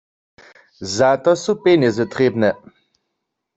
Za to su pjenjezy trěbne.